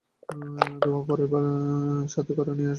পরেরবার সাথে করে নিয়ে আসবো।